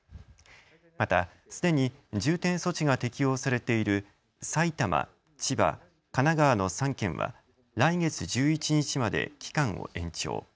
また、すでに重点措置が適用されている埼玉、千葉、神奈川の３県は来月１１日まで期間を延長。